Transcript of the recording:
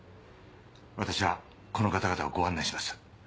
私はこの方々をご案内します。